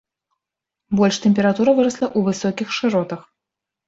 Больш тэмпература вырасла ў высокіх шыротах.